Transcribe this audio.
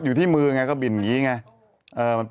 ก็เปลี่ยนอย่างนี้ไง